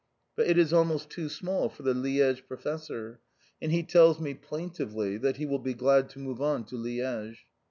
But it is almost too small for the Liège professor, and he tells me plaintively that he will be glad to move on to Liège.